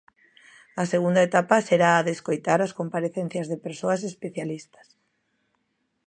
A segunda etapa será a de escoitar as comparecencias de persoas especialistas.